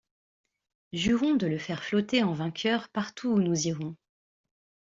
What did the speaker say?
Jurons de le faire flotter en vainqueur partout où nous irons.